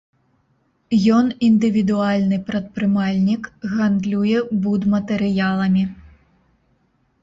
Ён індывідуальны прадпрымальнік, гандлюе будматэрыяламі.